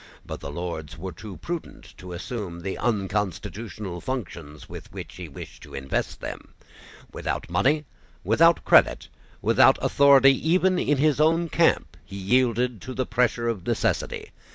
But the Lords were too prudent to assume the unconstitutional functions with which he wished to invest them. Without money, without credit, without authority even in his own camp, he yielded to the pressure of necessity.